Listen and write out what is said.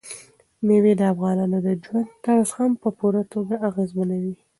مېوې د افغانانو د ژوند طرز هم په پوره توګه اغېزمنوي.